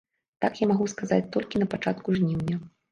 Так я магу сказаць толькі на пачатку жніўня.